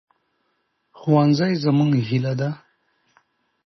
ښوونځی زموږ هیله ده